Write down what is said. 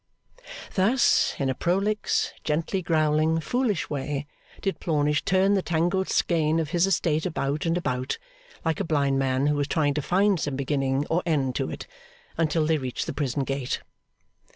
Thus, in a prolix, gently growling, foolish way, did Plornish turn the tangled skein of his estate about and about, like a blind man who was trying to find some beginning or end to it; until they reached the prison gate.